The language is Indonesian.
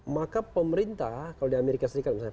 maka pemerintah kalau di amerika serikat misalnya